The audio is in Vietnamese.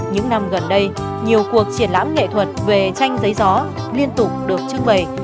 những năm gần đây nhiều cuộc triển lãm nghệ thuật về tranh giấy gió liên tục được trưng bày